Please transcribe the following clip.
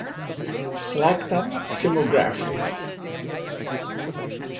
Selected Filmography